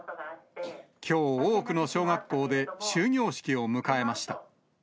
きょう、多くの小学校で終業式を迎えました。